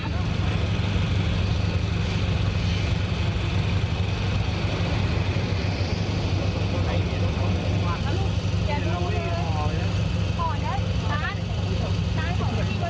อย่ารู้เลยพอเลยน้ำน้ำเขาช่วยหมดแล้ว